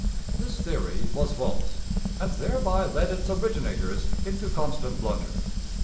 This theory was false, and thereby led its originators into constant blunders.